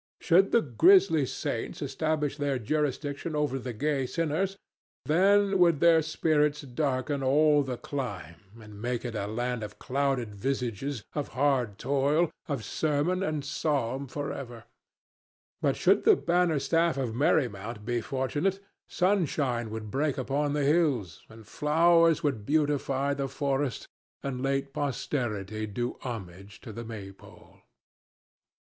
Should the grisly saints establish their jurisdiction over the gay sinners, then would their spirits darken all the clime and make it a land of clouded visages, of hard toil, of sermon and psalm for ever; but should the banner staff of Merry Mount be fortunate, sunshine would break upon the hills, and flowers would beautify the forest and late posterity do homage to the Maypole.